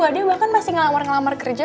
dia bahkan masih ngelamar ngelamar kerja